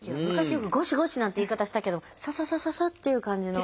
昔よくゴシゴシなんて言い方したけどサササササっていう感じの。